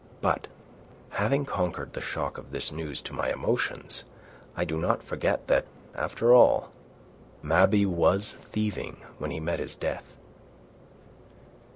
But, having conquered the shock of this news to my emotions, I do not forget that, after all, Mabey was thieving when he met his death."